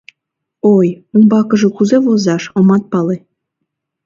Ой, умбакыже кузе возаш — омат пале.